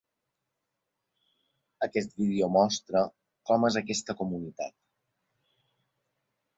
Aquest vídeo mostra com és aquesta comunitat.